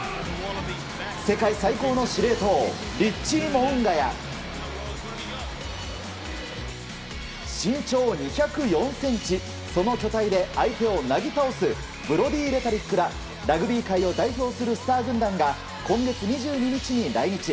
世界最高の司令塔リッチー・モウンガや身長２０４ｃｍその巨体で相手をなぎ倒すブロディー・レタリックらラグビー界を代表するスター軍団が今月２２日に来日。